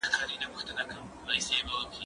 زه به اوږده موده ښوونځی ته تللي وم؟